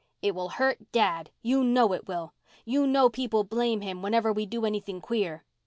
"It will hurt Dad. You know it will. You know people blame him whenever we do anything queer."